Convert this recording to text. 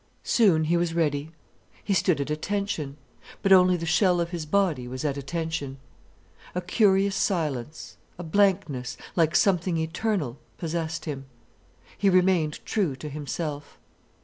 Soon he was ready. He stood at attention. But only the shell of his body was at attention. A curious silence, a blankness, like something eternal, possessed him. He remained true to himself.